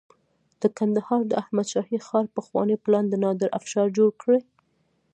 د کندهار د احمد شاهي ښار پخوانی پلان د نادر افشار جوړ کړی